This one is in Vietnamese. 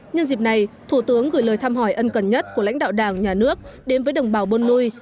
nhân dịp này thủ tướng gửi lời thăm hỏi ân cần nhất của lãnh đạo đảng nhà nước đến với đồng bào buôn nui